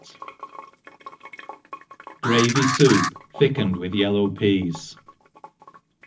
i(« Gravy Sq^tp thickened with Yeliqw Pea^s^ PUT.